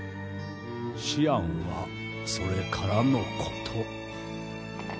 思案はそれからのこと。